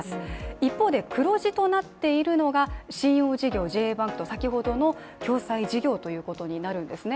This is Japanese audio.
一方で、黒字となっているのが信用事業、ＪＡバンクと先ほどの共済事業ということになるんですね。